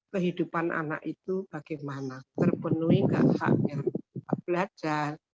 kehidupan anak itu bagaimana terpenuhi hak hak yang kita belajar